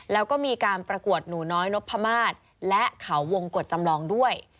แล้วก็มีการประกวดหนูน้อยนพมาศและเขาวงกฎจำลองด้วย